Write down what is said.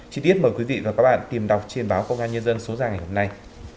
chí tiết mời quý vị và các bạn tìm đọc trên báo công an nhân dân số ra ngày hôm nay